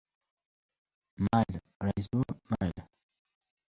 — Mayli, rais bova, mayli.